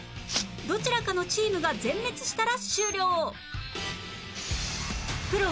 どちらかのチームが全滅したら終了